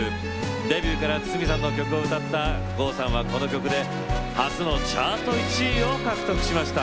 デビューから筒美さんの曲を歌った郷さんはこの曲で初のチャート１位を獲得しました。